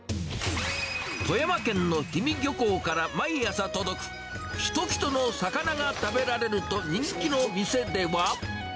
富山県の氷見漁港から毎朝届く、ひこひこの魚が食べられる人気の店では。